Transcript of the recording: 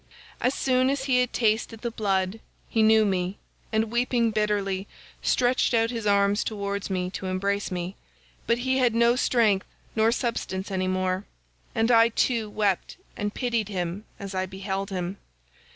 As soon as he had tasted the blood, he knew me, and weeping bitterly stretched out his arms towards me to embrace me; but he had no strength nor substance any more, and I too wept and pitied him as I beheld him.